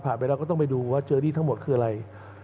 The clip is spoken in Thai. ไปแล้วก็ต้องไปดูว่าเจอหนี้ทั้งหมดคืออะไร